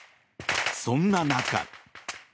そんな中。